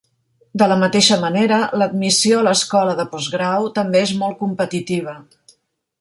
De la mateixa manera, l'admissió a l'escola de postgrau també és molt competitiva.